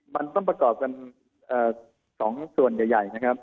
มันต้องประกอบกัน๒ส่วนใหญ่นะครับ